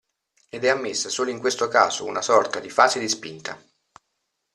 Ed è ammessa solo in questo caso una sorta di fase di spinta.